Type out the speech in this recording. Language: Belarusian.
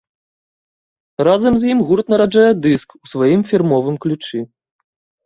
Разам з ім гурт нараджае дыск у сваім фірмовым ключы.